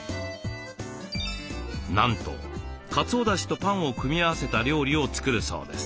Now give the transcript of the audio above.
なんとかつおだしとパンを組み合わせた料理を作るそうです。